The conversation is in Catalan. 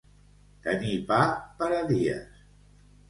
Tenir pa per a dies.